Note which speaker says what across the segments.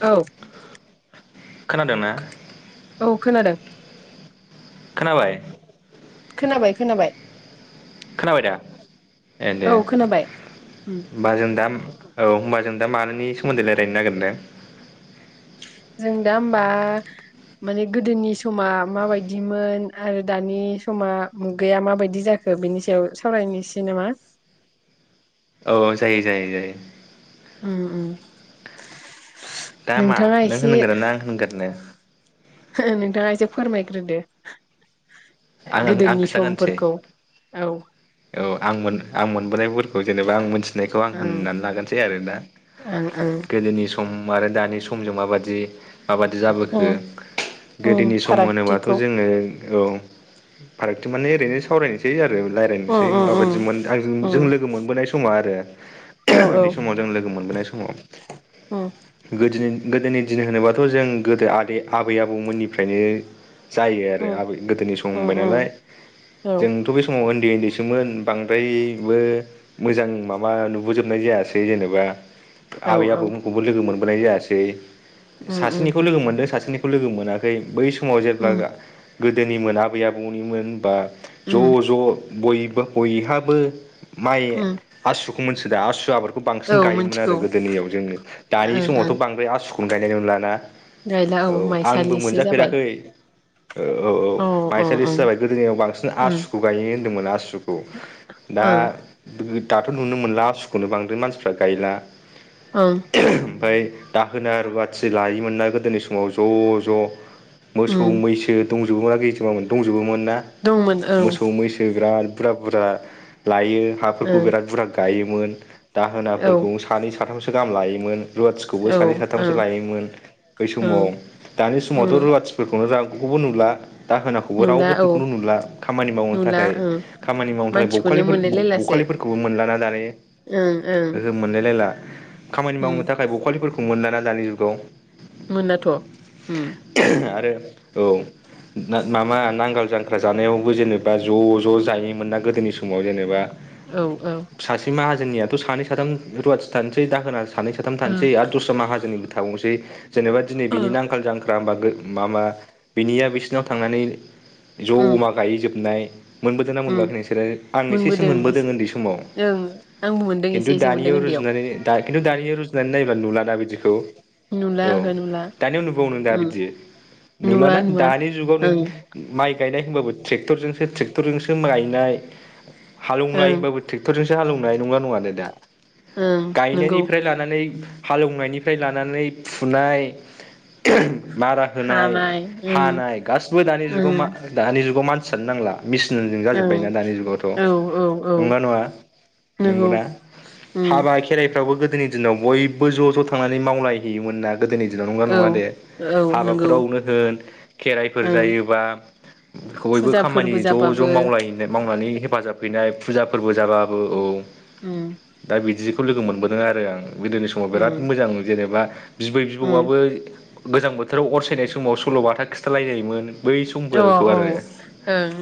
Speaker 1: औ
Speaker 2: खोनादोंना
Speaker 1: औ खोनादों
Speaker 2: खोनाबाय
Speaker 1: खोनाबाय खोनाबाय
Speaker 2: खोनाबाय दा ए
Speaker 1: औ
Speaker 2: दे।
Speaker 1: खोनाबाय उम
Speaker 2: ओमबा जों दाम औ ओमबा जों दा मानिनि सोमोन्दै रायलायनो नागिरदों?
Speaker 1: जों दा होमबा माने गोदोनि समा माबायदिमोन आरो दानि समा मुगाया माबायदि जा खो, बिनि सायाव सावरायनोसै नामा?
Speaker 2: औ जायो जायो जायो।
Speaker 1: उम उम।
Speaker 2: दा मा
Speaker 1: नोंथाङा
Speaker 2: नों
Speaker 1: एसे
Speaker 2: होनगोरनो ना आं होनगोरनो!
Speaker 1: नोंथाङा एसे फोरमायग्रोदो।
Speaker 2: आं आं
Speaker 1: गोदोनि
Speaker 2: खिन्थागोरनोसै
Speaker 1: समफोरखौ। औ
Speaker 2: औ आं मोन आं मोनबोनायफोरखौ‌ जेनेबा आं मोनथि नायखौ आं
Speaker 1: ओं
Speaker 2: होननानै लागोरसै आरो दा।
Speaker 1: ओं ओं
Speaker 2: गोदोनि स सम आरो दानि समजों माबादि माबादि जाबोखो
Speaker 1: उम उम
Speaker 2: गोदोनि सम होनोबाथ'
Speaker 1: फारागथिखौ
Speaker 2: जोङो औ। फारागथि माने ओरैनो सावरायनोसै आरो रायलाय
Speaker 1: उम उम उम
Speaker 2: माबादि मोन आं जों जों
Speaker 1: उम
Speaker 2: लोगो मोनबोनाय समा आरो
Speaker 1: औ औ
Speaker 2: उन्दै समाव हजों लोगो मोनबोनाय समाव
Speaker 1: उम
Speaker 2: गोदोनि गोदोनि दिन होनोबाथ' जों गोदो आदै आबै आबौमोननिफ्रायनो जायो
Speaker 1: उम
Speaker 2: आरो आबै गोदोनि सम होनबाय
Speaker 1: उम
Speaker 2: नालाय,
Speaker 1: औ
Speaker 2: जोंथ' बे समाव उन्दै उन्दै सो सोमोन बांद्रायबो मोजां माबा नुबोजोबनाय जायासै जेनेबा
Speaker 1: औ
Speaker 2: आबै
Speaker 1: औ
Speaker 2: आबौमोनखौबो लोगो मोनबोनाय जायासै
Speaker 1: उम उम
Speaker 2: सासेनिखौ लोगो मोनदों सासेनि खौ लोगोमोनाखै बै समाव जेब्ला
Speaker 1: उम
Speaker 2: गोदोनिमोन आबै आबौनिमोन बा
Speaker 1: उम
Speaker 2: ज' ज' बयबो बयहाबो माइ
Speaker 1: उम
Speaker 2: आसुखौ मोनसो दा आसु आबाद खौ बांसिन
Speaker 1: औ
Speaker 2: गाययोमोन आरो
Speaker 1: मिथिगौ
Speaker 2: गोदोनियाव जोङो दानि
Speaker 1: ओं
Speaker 2: समावथ'
Speaker 1: ओं
Speaker 2: बांद्राय आसुखौनो गायनाय नुलाना।
Speaker 1: गायला
Speaker 2: औ आंबो
Speaker 1: माइसालिसो जाबाय
Speaker 2: मोनजाफेराखै। ओ औ औ
Speaker 1: अ अ
Speaker 2: माइसालिसो
Speaker 1: ओं
Speaker 2: जाबाय। गोदोनियाव बांसिन
Speaker 1: ओं
Speaker 2: आसुखौ गायो होन्दोंमोन आसुखौ। दा
Speaker 1: ओं
Speaker 2: दाथ' नुनो मोनला आसुखौनो बांद्राय मानसिफ्रा गायला।
Speaker 1: ओं।
Speaker 2: आमफ्राय दाहोना रुवाथि लायोमोन ना गोदोनि समाव ज' ज' मोसौ
Speaker 1: उम
Speaker 2: मैसो दंजोबोमोनना गैजोबामोन दंजोबोमोन ना।
Speaker 1: दंमोन ओं
Speaker 2: मोसौ मैसो बिराद बुरजा बुरजा लायो हाफोरखौ
Speaker 1: ओं
Speaker 2: बिराद बुरा गायोमोन।
Speaker 1: औ
Speaker 2: दाहोनाफोरखौ सा सानै साथामसो गाहाम लायोमोन रुवाथिखौबो
Speaker 1: औ
Speaker 2: सानै
Speaker 1: ओं
Speaker 2: साथामसो लायोमोन बै समाव,
Speaker 1: ओं
Speaker 2: दानि
Speaker 1: उम
Speaker 2: समावथ' रुवाथिफोरखौनो रागखौबो नुला। दाहोनाखौबो
Speaker 1: नुला औ
Speaker 2: रावबोखौनो नुला खामानि मावनो
Speaker 1: नुला
Speaker 2: थाखाय
Speaker 1: ओं
Speaker 2: खामानि मावनो थाखाय
Speaker 1: मानसिखौनो
Speaker 2: बखालिफोर
Speaker 1: मोनलायलायलासो
Speaker 2: बखालिफोरखौबो मोनलाना दानि
Speaker 1: ओं ओं
Speaker 2: मोनलायलायला खामानि
Speaker 1: उम
Speaker 2: मावनो थाखाय बखालिफोरखौनो मोनलाना दानि जुगाव।
Speaker 1: मोनालाथ' उम।
Speaker 2: आरो औ। माबा नांगाल जांख्रा जानायावबो जेनेबा ज' ज' जायो मोनना गोदोनि समाव जेनेबा
Speaker 1: औ औ
Speaker 2: सासे माहाजोननियाथ' सानै साथाम रुवाथि थानोसै दाहोना सानै साथाम
Speaker 1: ओ
Speaker 2: थानोसै दस्रा माहोजोननिबो थावनोसै जेनेबा दिनै
Speaker 1: ओ
Speaker 2: बिनि नांगाल जां दा होमबाथ गो माबा बिनिया बिसिनाव थांनानै
Speaker 1: उम
Speaker 2: ज'मा गायै जोबनाय। मोनबोदोंना
Speaker 1: उम
Speaker 2: मोनबोआ नोंसोरो आं एसेसो मोनबोदों उन्दै समाव।
Speaker 1: ओं आंबो मोनदों
Speaker 2: खिन्थु
Speaker 1: एसे एसे मोनदों
Speaker 2: दानियाव
Speaker 1: उन्दैयाव
Speaker 2: रुजुनानै दा खिन्थु दानिया रुजुनानै नायबा नुलाना बिदिखौ।
Speaker 1: नुला
Speaker 2: औ
Speaker 1: ओहो नुला
Speaker 2: दानियाव नुबाव नों दा
Speaker 1: उम
Speaker 2: बिदि?
Speaker 1: नुवा
Speaker 2: नुलाना
Speaker 1: नुवा
Speaker 2: दानि जुगाव नों
Speaker 1: ओं
Speaker 2: माइ गायनाय होनबाबो ट्रेक्टरजोंसो-ट्रेक्टरजोंसो गायनाय हालौवनाय
Speaker 1: ओं
Speaker 2: होनबाबो ट्रेक्टरजोंसो हालेवनाय नंङा नङा दे दा?
Speaker 1: ओं नोंगौ
Speaker 2: गायनायनिफ्राय लानानै हालेवनायनिफ्राय लानानै फुनाय मारा होनाय
Speaker 1: हानाय उम
Speaker 2: हानाय गासिबो दानि जुगाव मा
Speaker 1: उम
Speaker 2: दानि जुगाव मानसियानो नांला। मिसिनजोंनो जाजोबबायना दानि जुगावथ'
Speaker 1: ओं औ
Speaker 2: नंगौना नङा?
Speaker 1: औ नंगौ
Speaker 2: नंगौना
Speaker 1: उम
Speaker 2: हाबा खेराइफ्रावबो गोदोनि दिनाव बयबो ज' ज' थांनानै मावलायहैयोमोन ना गोदोनि दिनाव। नंगौना
Speaker 1: औ
Speaker 2: नङा दे!
Speaker 1: औ नंगौ
Speaker 2: हाबाफोरावनो होन खेराइफोर
Speaker 1: ओं
Speaker 2: जायोबा बयबो
Speaker 1: फुजा
Speaker 2: खामानि
Speaker 1: फोरबो
Speaker 2: ज'
Speaker 1: जाबाबो
Speaker 2: ज' मावलायो मावनानै हेफाजाब हैनाय फुजा फोरबो जाबाबो औ।
Speaker 1: उम।
Speaker 2: दा बिदिखौ लोगो मोनबोदों आरो आं गोदोनि समाव बिराद
Speaker 1: उम
Speaker 2: मोजां जेनेबा बिबै
Speaker 1: उम
Speaker 2: बिबौआबो गोजां बोथोराव अर सायनाय समाव सल' बाथा खिन्थालायनायमोन। बै
Speaker 1: औ
Speaker 2: समफोरखौ
Speaker 1: औ
Speaker 2: आरो
Speaker 1: ओं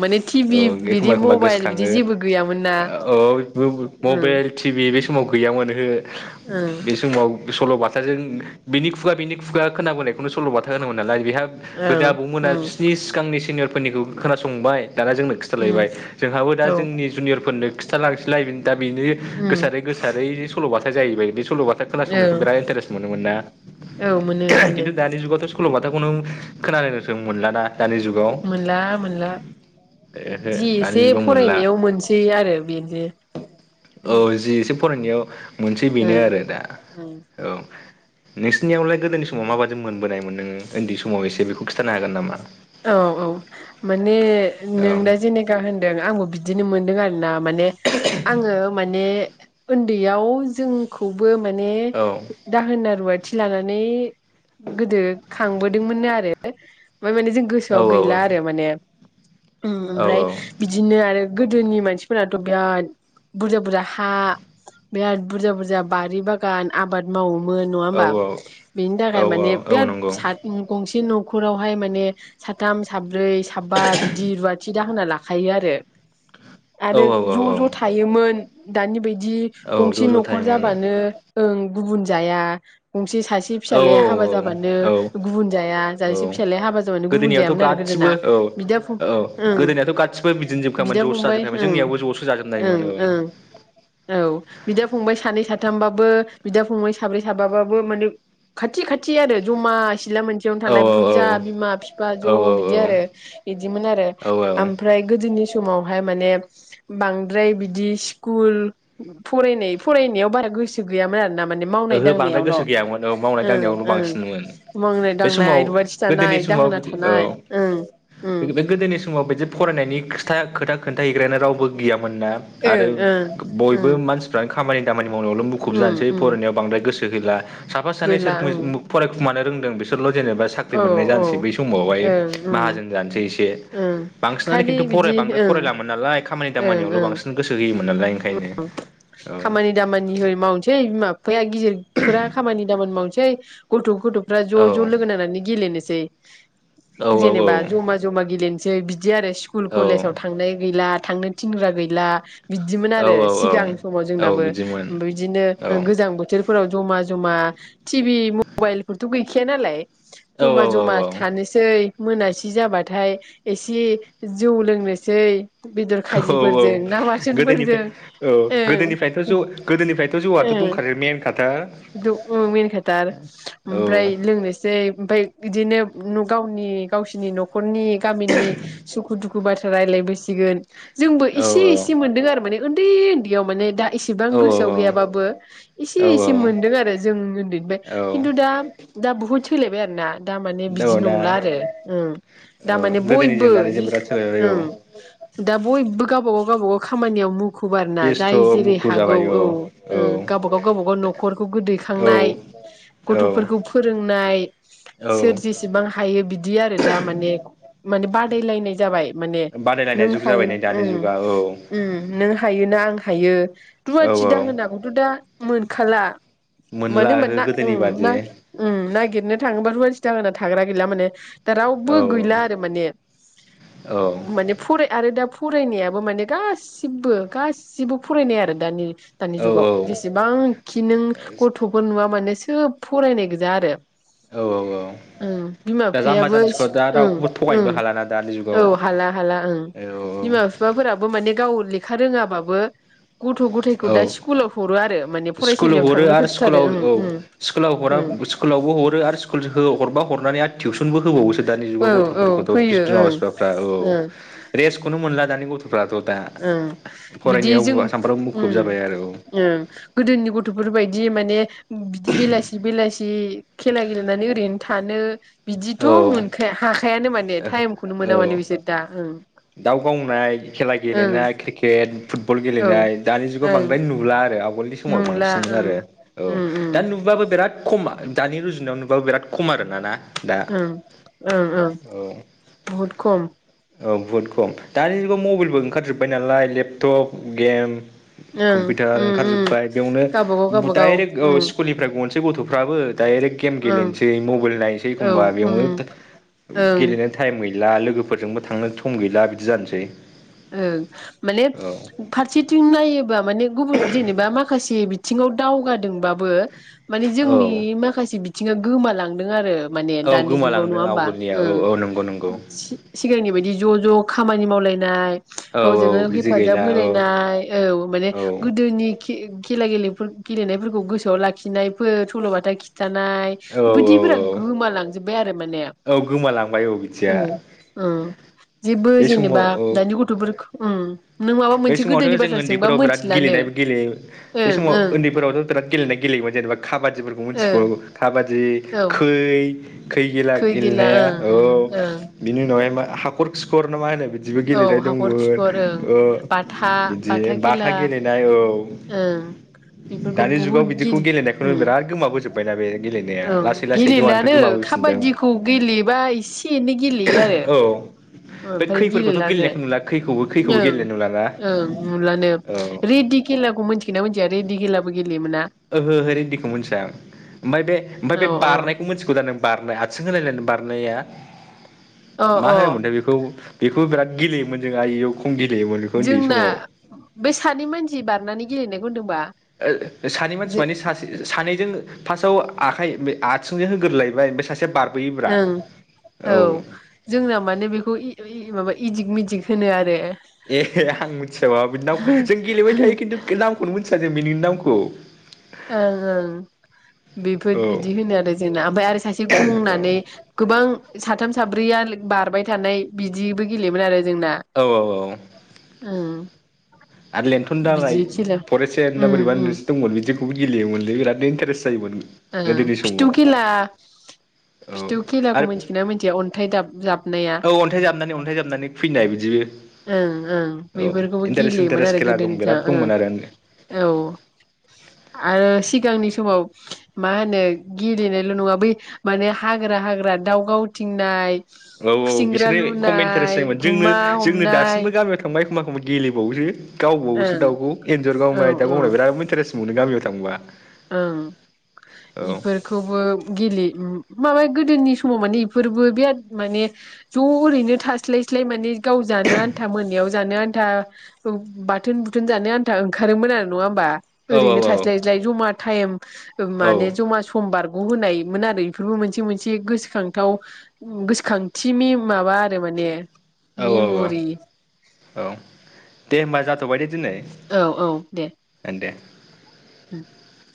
Speaker 1: माने टिभि
Speaker 2: औ एखनबा
Speaker 1: बिदि
Speaker 2: एखनबा
Speaker 1: मबाइल बिदि
Speaker 2: गोसोखाङो
Speaker 1: जेबो गैयामोन ना
Speaker 2: औ [unintelligible]
Speaker 1: उम
Speaker 2: मबाइल टि भि बै समाव गैयामोन ओहो
Speaker 1: उम
Speaker 2: बे समाव सल'बाथाजों बिनि खुगा बिनि खुगा खोनाबोनायखौनो सल'बाथा। होनोमोन नालाय बेहा गोदो
Speaker 1: ओं
Speaker 2: आबौमोना
Speaker 1: उम
Speaker 2: बिसोरनि सिगांनि सिनियरफोरनिखौ खोनासंहोबाय दाना जोंनो खि
Speaker 1: उम
Speaker 2: थालायबाय जोंहाबो दा
Speaker 1: औ
Speaker 2: जोंनि जुनियरफोरनो खिथालांनिसैलाय बि दा बिनो
Speaker 1: उम
Speaker 2: गोसारै गोसारै सल'बाथा जाहैबाय बे सल'बाथा खोनासंनायखौ
Speaker 1: ओं
Speaker 2: बिराद इन्टारेस्ट मोनोमोन ना
Speaker 1: औ मोनो मोनो
Speaker 2: खिन्थु दानि जुगावथ' स सल'बाथाखौनो खोनानो जों मोनला ना। दानि जुगाव ओहो।
Speaker 1: मोनला
Speaker 2: दानि
Speaker 1: जे
Speaker 2: जुगाव मोनला
Speaker 1: फरायनायाव मोनसै आरो बेनो।
Speaker 2: औ जि एसे फरायनायाव मोनसेै बेनो
Speaker 1: ओं
Speaker 2: आरो दा
Speaker 1: ओं
Speaker 2: औ। नोंसिनियावलाय गोदोनि समाव माबादि मोनबोनायमोन नोङो उन्दै समाव एसे बेखौ खिन्थानो हागोन नामा।
Speaker 1: औ औ माने नों
Speaker 2: औ
Speaker 1: दा जेनेखा होनदों आंबो बिदिनो मोनदों आरो ना। माने आङो माने उन्दैयाव जों खौबो माने
Speaker 2: औ
Speaker 1: दाहोना रुवाथि लानानै गोदो खांबोदोंमोननो आरो ओमफ्राय माने जों
Speaker 2: औ
Speaker 1: गोसोआव गैला आरो माने उम
Speaker 2: औ औ
Speaker 1: ओमफ्राय बिदिनो आरो गोदोनि मानसिफोराथ' बिराद बुरजा बुरजा हा बिराद बुरजा बुरजा बारि बागान। आबाद मावोमोन नङा
Speaker 2: औ
Speaker 1: होमबा बेनि
Speaker 2: औ
Speaker 1: थाखाय
Speaker 2: औ
Speaker 1: माने
Speaker 2: औ
Speaker 1: बिराद
Speaker 2: नंगौ
Speaker 1: साद उम गंसे न'खरावहाय माने साथाम साब्रै साबा बिदि रुवाथि दाहोना ला खायो आरो
Speaker 2: औ
Speaker 1: आरो
Speaker 2: औ औ
Speaker 1: ज'
Speaker 2: औ
Speaker 1: ज' थायोमोन दानि बायदि।
Speaker 2: औ
Speaker 1: गंसे
Speaker 2: ज' ज'
Speaker 1: न'खर
Speaker 2: थायोमोन
Speaker 1: जाबानो ओं गुबुन जाया गंसे सासे से
Speaker 2: औ औ
Speaker 1: फिसालाया हाबा जाबानो
Speaker 2: औ
Speaker 1: गुबुन जाया सासे फिसालाया हाबा जाबानो गुबुन
Speaker 2: गोदोनियाथ'
Speaker 1: जायामोन आरो गोदोना
Speaker 2: गासिबो औ
Speaker 1: बिदा फं
Speaker 2: औ
Speaker 1: ओं
Speaker 2: गोदोनियाथ' गासिबो बिदिनो
Speaker 1: बिदा
Speaker 2: जोबखामोन ज'सो
Speaker 1: फंबाय
Speaker 2: जाजोबखायामोन
Speaker 1: ओं
Speaker 2: जोंनियावबो ज'सो जोजोब नायमोन ओं।
Speaker 1: औ बिदा फंबाय सानै साथामबाबो बिदा फंबाय साब्रै साबाबाबो माने खाथि खाथि आरो जमा सिला मोनसेयावनो
Speaker 2: औ
Speaker 1: थानाय
Speaker 2: औ औ
Speaker 1: बुरजा बिमा बिफा ज'
Speaker 2: औ
Speaker 1: बिदि आरो। बिदिमोन आरो
Speaker 2: औ औ
Speaker 1: ओमफ्राय गोदोनि समावहाय माने बांद्राय बिदि स्कुल फरायनाय फरायनायाव बारा गोसो गैयामोन आरोना माने मावनाय
Speaker 2: ओहो बांद्राय
Speaker 1: दांनायावल'
Speaker 2: गोसो गैयामोन औ मावनाय
Speaker 1: ओं
Speaker 2: दांनायावल'
Speaker 1: ओं।
Speaker 2: बांसिनमोन
Speaker 1: मावनाय
Speaker 2: बे समाव
Speaker 1: दांनाय रुवाथि
Speaker 2: गोदोनि
Speaker 1: थानाय
Speaker 2: समाव
Speaker 1: दाहोना
Speaker 2: बिदि
Speaker 1: था
Speaker 2: औ बेनिफ्राय गोदोनि समाव बिदि फरायनायनि खोथा खोथा खोन्था हैग्रायानो रावबो गैयामोन ना
Speaker 1: ओं
Speaker 2: आरो
Speaker 1: ओं ओं
Speaker 2: बयबो मानसिफ्रानो खामानि दामानि मावनायावल' मुखुब
Speaker 1: उम
Speaker 2: जानोसै
Speaker 1: उम
Speaker 2: नायाव बांद्राय गोसो होला साफा सानै
Speaker 1: गैला
Speaker 2: सोर
Speaker 1: ओं
Speaker 2: फरायखुमानो रोंदों बिसोरल' जेनेबा
Speaker 1: औ
Speaker 2: साख्रि मोननाय
Speaker 1: औ
Speaker 2: जानोसै
Speaker 1: ओं
Speaker 2: बै समावहाय
Speaker 1: उम
Speaker 2: माहाजोन जानोसै एसे
Speaker 1: ओं
Speaker 2: बांसिनानो
Speaker 1: खालि
Speaker 2: खिन्थु
Speaker 1: बिदि
Speaker 2: फराय बांद्राय
Speaker 1: ओं
Speaker 2: फरायलामोन नालाय खामानि दामानियावल' बांसिन गोसो होयोमोन नालाय ओंखायनो
Speaker 1: उम
Speaker 2: औ
Speaker 1: खामानि दामानि होरि मावनोसै बिमा फैया गिदिरफोरा खामानि दामानि मावनोसै गथ' गथ'फ्रा ज'
Speaker 2: औ
Speaker 1: ज' लोगो नांनानै गेलेनोसै
Speaker 2: औ औ
Speaker 1: जेनेबा जमा जमा गेलेनोसै बिदि आरो स्कुल कलेजाव थांनाय गैला थांनो थिनग्रा गैला बि बिदिमोन
Speaker 2: औ
Speaker 1: आरो
Speaker 2: औ औ
Speaker 1: सिगां समाव
Speaker 2: औ
Speaker 1: जोंनाबो
Speaker 2: बिदिमोन
Speaker 1: बिदिनो
Speaker 2: औ
Speaker 1: गोजां बोथोर फोराव ज'मा जमा टिभि मबाइल फोरथ' गैखाया नालाय जमा
Speaker 2: औ औ
Speaker 1: जमा
Speaker 2: औ
Speaker 1: थानो सै मोनासि जाबाथाय एसे जौ लोंनोसै। बेदर
Speaker 2: औ औ
Speaker 1: खाजिफोरजों ना बाथोनफोरजों
Speaker 2: गोदोनिफ्राय औ
Speaker 1: ओं
Speaker 2: गोदोनिफ्रायथ' जौ गोदोनिफ्रायथ' जौआथ' दंखादो मेनखाथार।
Speaker 1: उम मेनखाथार
Speaker 2: औ
Speaker 1: आमफ्राय लोंनोसै ओमफ्राय बिदिनो गावनि गावसिनि न'खरनि गामिनि सुखु दुखु बाथ्रा रायलायबोसिगोन जोंबो
Speaker 2: औ
Speaker 1: इसे इसे एसे मोनदों आरो माने उन्दै उन्दैयाव माने दा इसेबां
Speaker 2: औ
Speaker 1: गोसोआव गैयाबाबो इसे
Speaker 2: औ
Speaker 1: इसे जे मोनदों आरो जों उन्दैनिपाय खिन्थु
Speaker 2: औ
Speaker 1: दा दा बुहुद सोलायबाय आरो ना दा माने बिदि
Speaker 2: औ दा
Speaker 1: नंला आरो ओं दा
Speaker 2: औ
Speaker 1: माने बयबो
Speaker 2: गोदोनिजों दानिजों
Speaker 1: जि
Speaker 2: बिराद सोलायबाय औ
Speaker 1: ओं दा बयबो गाबा गाव गाबा गाव खामानियाव मु खुब आरो ना
Speaker 2: बेस्थ'
Speaker 1: जाय जेरै
Speaker 2: मुखुब
Speaker 1: हागौ
Speaker 2: जाबाय
Speaker 1: औ ओ
Speaker 2: औ
Speaker 1: गावबा गाव गावबा गाव न' खरखौ
Speaker 2: औ
Speaker 1: गोदैखांनाय
Speaker 2: औ
Speaker 1: गथ'फोरखौ फोरोंनाय सोर
Speaker 2: औ
Speaker 1: जि सिबां हायो बिदि आरो दा माने माने बादायलायनाय जाबाय माने नों
Speaker 2: बादायलायनाय जुग
Speaker 1: हायो
Speaker 2: जाबाय नै दानि
Speaker 1: उम
Speaker 2: जुगा औ
Speaker 1: उम नों हायो ना आं हायो
Speaker 2: औ
Speaker 1: रूवाथि
Speaker 2: औ
Speaker 1: दाहोनाखौथ' दा मोनखाला
Speaker 2: मोनला
Speaker 1: मोनो होमबा ना
Speaker 2: गोदोनि बादि
Speaker 1: नागिरनो थाङोबा रुवाथि दाहोना थाग्रा गैला माने दा रावबो
Speaker 2: औ
Speaker 1: गैला आरो माने
Speaker 2: औ
Speaker 1: ओम माने फराय आरो दा फरायनायाबो माने गासिबो गासिबो फरायनाय आरो दानि दानि जुगाव
Speaker 2: औ
Speaker 1: जेसेबांखि नों गथ'फोर नुवा माने सोब फरायनाय गोजा आरो
Speaker 2: औ औ औ
Speaker 1: ओं बिमा
Speaker 2: दा जाम्बा
Speaker 1: बिफायाबो
Speaker 2: जाम्बिखौ
Speaker 1: सि
Speaker 2: दा
Speaker 1: ओं
Speaker 2: रावखौबो
Speaker 1: ओं
Speaker 2: थगायनोबो हालाना दानि
Speaker 1: औ
Speaker 2: जुगाव
Speaker 1: हाला हाला ओं
Speaker 2: औ
Speaker 1: बिमा बिफाफोराबो माने गाव लेखा रोङाबाबो गथ' गथायखौ
Speaker 2: औ
Speaker 1: दा स्कुलाव हरो आरो माने
Speaker 2: स्कुलाव
Speaker 1: फरायसालियाव
Speaker 2: हरो
Speaker 1: थांनो
Speaker 2: आरो
Speaker 1: होथारो
Speaker 2: स्कुलाव
Speaker 1: ओं
Speaker 2: औ
Speaker 1: ओं
Speaker 2: स्कुलाव हरा
Speaker 1: ओं
Speaker 2: स्कुलावबो हरो आरो स्कुल हो हरबा हरनानै आरो टिउसनबो होबावोसो दानि
Speaker 1: औ
Speaker 2: जुगाव
Speaker 1: औ
Speaker 2: गथ'फोरखौथ'
Speaker 1: होयो
Speaker 2: बिमा
Speaker 1: ओं
Speaker 2: बिफाफ्रा औ
Speaker 1: ओं
Speaker 2: रेस्थखौनो मोनला दानि गथ' फ्राथ' दा
Speaker 1: ओं
Speaker 2: फरायनायाव बा सानफ्रामबो मुखुब जाबाय आरो औ
Speaker 1: ओम गोदोनि गथ'फोर बायदि माने बिदि बेलासि बेलासि इ खेला गेलेनानै ओरैनो थानो बिदिथ'
Speaker 2: औ औ
Speaker 1: मोनखाया हाखायानो माने ने टाइम खौनो मोना माने बिसोर दा ओं
Speaker 2: दाव गावनाय खेला
Speaker 1: ओं
Speaker 2: गेलेनाय क्रिकेट फुटबल
Speaker 1: औ
Speaker 2: गेलेनाय दानि जुगाव
Speaker 1: ओं
Speaker 2: बांद्राय नुला आरो आवगोलनि समाव
Speaker 1: नुला
Speaker 2: बांसिनमोन
Speaker 1: ओं
Speaker 2: आरो औ
Speaker 1: उम उम
Speaker 2: दा नु बाबो बिराद खम दानि रुजुनायाव नुबाबो बिराद खम आरो ना दा
Speaker 1: उम उम उम
Speaker 2: औ
Speaker 1: बहुत खम
Speaker 2: औ बुहुद खम दानि जुगाव मबाइलबो ओंखारजोब्बाय नालाय लेपटप गेम
Speaker 1: ओं
Speaker 2: कम्पिउटार
Speaker 1: उम उम
Speaker 2: ओंखारजोब्बाय बेयावनो
Speaker 1: गावबागाव गावबागाव
Speaker 2: डाइरेक्ट औ
Speaker 1: उम
Speaker 2: स्कुलनि फ्राय गनोसै गथ'फ्राबो डाइरेक्ट गेम
Speaker 1: ओं
Speaker 2: गेलेनोसै मबाइल नायनोसै
Speaker 1: औ
Speaker 2: एखमबा
Speaker 1: उम
Speaker 2: बेयावनो
Speaker 1: ओं
Speaker 2: गेलेनो टाइम गैला लोगोफोरजोंबो थांनो सम गैला बिदि जानोसै
Speaker 1: ओ माने
Speaker 2: औ
Speaker 1: फारसेथिं नायोबा माने गुबुन जेनेबा माखासे बिथिङाव दावगादोंबाबो माने जोंनि
Speaker 2: औ
Speaker 1: माखासे बिथिङा गोमालांदों आरो माने
Speaker 2: औ
Speaker 1: दानि जुगाव नङा
Speaker 2: गोमालांदों
Speaker 1: होमबा
Speaker 2: आवगोलनिया औ
Speaker 1: ओं
Speaker 2: औ नंगौ नंगौ
Speaker 1: सिगांनि बायदि ज' ज' खामानि मावलायनाय
Speaker 2: औ
Speaker 1: गावजोंगाव
Speaker 2: बिदि गैला
Speaker 1: हेफाजाब
Speaker 2: औ औ
Speaker 1: होलायनाय औ माने गोदोनि ए गिला गेलेफोर गेलेनायफोरखौ गोसोआव लाखिनायफोर सल'बाथा खिन्थानाय
Speaker 2: औ
Speaker 1: बेबायदिफोरा
Speaker 2: औ
Speaker 1: गोमालांजोबबाय आरो माने
Speaker 2: औ गोमालांबाय औ बिदिया
Speaker 1: ओम ओम जेबो
Speaker 2: बे समाव
Speaker 1: जेनेबा
Speaker 2: औ
Speaker 1: दानि गथ'फोर ओम
Speaker 2: बे समावथ' जों उन्दैफोराव बिराद गेलेनायबो गेलेयो बे
Speaker 1: ओं ओं
Speaker 2: समाव उन्दैफोरावथ' बिराद गेलेनाय गेलेयोमोन जेनेबा खाबादिफोरखौ मोनथिगौ
Speaker 1: ओं
Speaker 2: खाबादि
Speaker 1: औ
Speaker 2: खै, खै गिला गेलेनाया
Speaker 1: ओं
Speaker 2: औ
Speaker 1: ओं ओं
Speaker 2: बिनि उनावहाय मा हाखर खिखर नामा होनो बिदिबो
Speaker 1: औ
Speaker 2: गेलेनाय
Speaker 1: हाखर
Speaker 2: दंमोन
Speaker 1: खिखर ओं
Speaker 2: ओ
Speaker 1: बाथा
Speaker 2: बिदि बाथा
Speaker 1: खेला
Speaker 2: गेलेनाय औ
Speaker 1: ओं बेफोरखौ
Speaker 2: दानि जुगाव
Speaker 1: बुहुद
Speaker 2: बिदिखौ
Speaker 1: गेले
Speaker 2: गेलेनायखौनो
Speaker 1: उम
Speaker 2: बिराद गोमाबोजोब
Speaker 1: ओं गेलेेलानो
Speaker 2: गोमाबोफिनदों
Speaker 1: काबादिखौ गेलेबाय इसे एसे एनै गेलेयो आरो
Speaker 2: औ बै
Speaker 1: ओमफ्राय
Speaker 2: खैफोरखौथ'
Speaker 1: गेलेलानो
Speaker 2: गेलेनायखौ नुला खैखौबो खैखौबो
Speaker 1: ओं
Speaker 2: गेलेनाय नुला ना।
Speaker 1: ओं नुलानो रिदि खेलाखौ मिथियोना मोनथिया रिदि खेलाबो गेलेयोमोना।
Speaker 2: ओहो ओहो रिदिखौ मिथिया आं ओमफ्राय बे ओमफ्राय बे
Speaker 1: औ औ
Speaker 2: बारनायखौ मोनथिगौ दा नों। बारनाय आथिं होलालायनाय बारनाया
Speaker 1: अ
Speaker 2: मा होनोमोनथाय बि खौ बेखौ बिराद गेलेयोमोन जों आयौ खम गेलेयोमोन बेखौ उन्दै
Speaker 1: जोंना
Speaker 2: समाव।
Speaker 1: बे सानै मानसि बारनानै गेलेनायखौ होनदोंबा?
Speaker 2: ओ ओ सानै मानसि
Speaker 1: जो
Speaker 2: माने सासे ओ सानैजों फार्स्टआव आखाइ आथिंजों होग्रोलायबाय ओमफ्राय सासेया बार
Speaker 1: ओं औ जोंनाव माने बेखौ इ इ माबा इदिक मिदिक होनो आरो
Speaker 2: ए आं मोनथि बाउवा बेनि नामखो जों गेलेबाय थायो किन्तु नाम बेखौनो मोनथिया जों मिनिनि नामखौ।
Speaker 1: ओं ओं बेफोर
Speaker 2: औ
Speaker 1: बिदि होनो आरो जोंना ओमफ्राय आरो सासे गंनानै
Speaker 2: औ
Speaker 1: गोबां साथाम साब्रैया बारबाय थानाय बिदिबो गेलेयोमोन आरो जोंना।
Speaker 2: औ औ औ
Speaker 1: ओं
Speaker 2: आरो लेन्थ'न दालाय
Speaker 1: बिदि खेला
Speaker 2: फरे सेन ना
Speaker 1: उम
Speaker 2: बोरैबा
Speaker 1: उम
Speaker 2: होनो दंमोन बिदिखौबो गेलेयोमोनलै बिरादनो इन्टारेस्ट जायोमोन।
Speaker 1: ओं
Speaker 2: गोदोनि
Speaker 1: फिथु
Speaker 2: समाव
Speaker 1: खेला
Speaker 2: औ
Speaker 1: फिथु
Speaker 2: आरो
Speaker 1: खेलाखौ मिथिगोना मिथिया? अन थाय दाब जाबनाया
Speaker 2: अ अन्थाइ जाबनानै अन्थाइ जाबनानै फैनाय बिदिबो
Speaker 1: ओं ओं बेफोरखौबो गेलेयोमोन
Speaker 2: इन्टारेस्ट
Speaker 1: आरो
Speaker 2: खेला दं
Speaker 1: गोदोनिजा
Speaker 2: बिराद
Speaker 1: ओं
Speaker 2: दंमोन आरो
Speaker 1: औ। आरो सिगांनि समाव मा होनो गेलेनायल' नंङा बै माने हाग्रा हाग्रा दाव गावथिंनाय।
Speaker 2: औ औ
Speaker 1: खुसिंग्रा
Speaker 2: बिसोरनो कमइन्टारेस
Speaker 1: लुनाय
Speaker 2: जायोमोन जोंनो
Speaker 1: गुमा
Speaker 2: जों नो
Speaker 1: हमनाय
Speaker 2: दासिमबो गामियाव थांबा एखनबा एखनबा गेलेबावसो गावबावसो
Speaker 1: ओं
Speaker 2: दाउखौ एन्जर
Speaker 1: औ
Speaker 2: गावनाय दा
Speaker 1: औ
Speaker 2: गावनाय बिराद इन्टारेस्ट मोनो गामियाव थांबा।
Speaker 1: ओं
Speaker 2: औ
Speaker 1: इ खौबो गेले माबा गोदोनि समाव माने इफोरबो बिराद माने ज' ओरैनो थास्लायस्लाय माने गाव जानो आन्था मोनायाव जानो आन्था औ बाथोन बुथोन जानो आन्था ओंखारोमोन आरो नंङा होमबा।
Speaker 2: औ
Speaker 1: ओरैनो थास्लायस्लाय जमा टाइम ओ माने जमा सम बारग' होनायमोन आरो इफोरबो मोनसे मोनसे गोसोखांथाव ओं गोसोखांथि मेम माबा आरो माने
Speaker 2: औ औ
Speaker 1: मेम'रि।
Speaker 2: औ दे होनबा जाथ'बाय दे दिनै।
Speaker 1: औ औ दे
Speaker 2: गोन दे।
Speaker 1: [unintelligible]